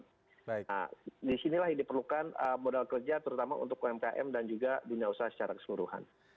nah disinilah yang diperlukan modal kerja terutama untuk umkm dan juga dunia usaha secara keseluruhan